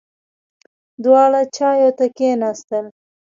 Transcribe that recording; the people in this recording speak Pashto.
دواړه چایو ته کېناستل.